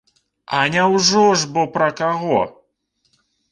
А няўжо ж бо пра каго!